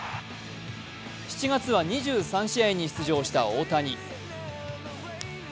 ７月は２３試合に出場した大谷。